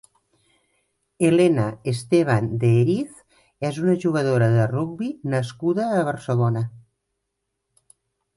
Helena Estevan de Heriz és una jugadora de rugbi nascuda a Barcelona.